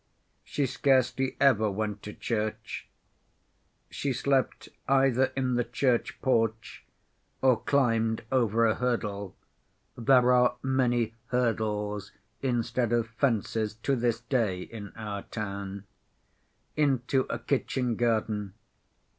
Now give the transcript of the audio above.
She scarcely ever went to church. She slept either in the church porch or climbed over a hurdle (there are many hurdles instead of fences to this day in our town) into a kitchen garden.